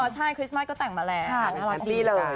ใช่คริสต์มัสก็แต่งมาแล้วน่ารักดีเลย